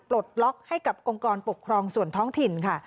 ปลดล็อกให้กับองค์กรปกครองส่วนท้องถิ่นค่ะ